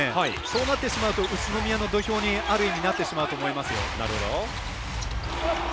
そうなってしまうと宇都宮の土俵にある意味なってしまうと思います。